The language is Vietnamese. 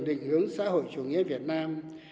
định hướng xã hội chủ nghĩa việt nam